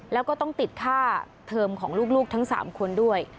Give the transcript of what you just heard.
แล้วก็ต้องติดค่าเทอมของลูกทั้ง๓คนด้วย